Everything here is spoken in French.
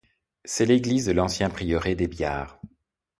C'est l'église de l'ancien prieuré des Biards.